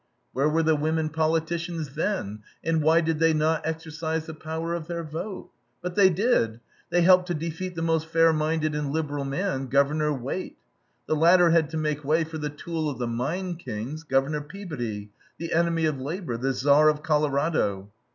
Where were the women politicians then, and why did they not exercise the power of their vote? But they did. They helped to defeat the most fair minded and liberal man, Governor Waite. The latter had to make way for the tool of the mine kings, Governor Peabody, the enemy of labor, the Tsar of Colorado.